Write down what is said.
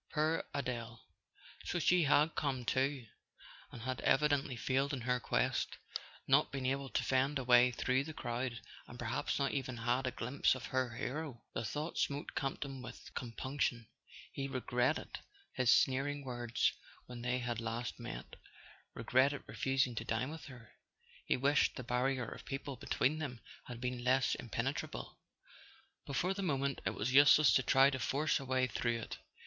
Poor Adele! So she had come too—and had evi¬ dently failed in her quest, not been able to fend a way through the crowd, and perhaps not even had a glimpse of her hero. The thought smote Campton with com¬ punction: he regretted his sneering words when they had last met, regretted refusing to dine with her. He wished the barrier of people between them had been less impenetrable; but for the moment it was useless to try to force a way through it.